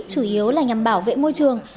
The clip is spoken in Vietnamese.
chủ yếu là nhằm bảo vệ môi trường